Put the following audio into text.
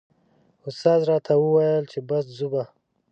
استاد راته و ویل چې بس ځو به.